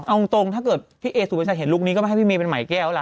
เอาจริงถ้าเกิดพี่เอกสุดมากใจที่เห็นลูกนี้ก็ไม่ให้มีมีนเป็นไหมแก้วล่ะ